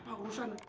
eh apa urusan